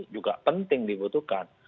juga penting diwujudkan